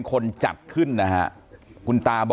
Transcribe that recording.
ข้าพเจ้านางสาวสุภัณฑ์หลาโภ